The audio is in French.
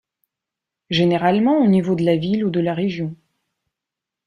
Généralement, au niveau de la ville ou de la région.